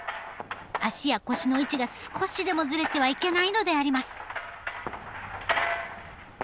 足や腰の位置が少しでもずれてはいけないのであります。